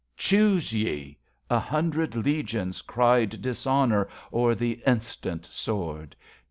Choose ye ! A hundred legions cried Dishonour, or the instant sword